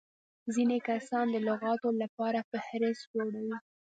ځيني کسان د لغاتو له پاره فهرست جوړوي.